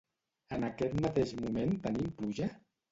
En aquest mateix moment tenim pluja?